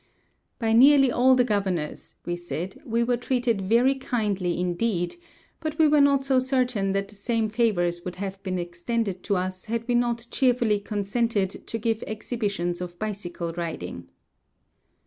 "By nearly all the governors," we said, "we were treated very kindly indeed; but we were not so certain that the same favors would have been extended to us had we not cheerfully consented to give exhibitions of bicycle riding."